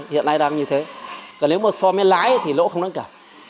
hiện nay đang như thế còn nếu mà so với lái thì lỗ không đáng kể